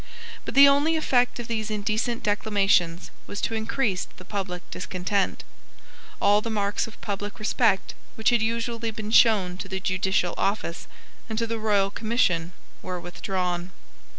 But the only effect of these indecent declamations was to increase the public discontent. All the marks of public respect which had usually been shown to the judicial office and to the royal commission were withdrawn.